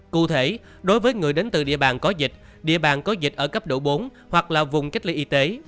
cụ thể đối với người đến từ địa bàn có dịch địa bàn có dịch ở cấp độ bốn hoặc là vùng cách ly y tế